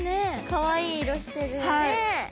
かわいい色してるね。